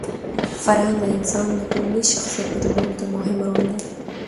فرهنګ د انسان د ټولنیز شخصیت په جوړولو کي مهم رول لري.